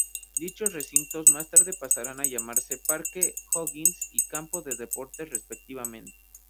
Dichos recintos más tarde pasarán a llamarse Parque O'Higgins y Campo de Deportes, respectivamente.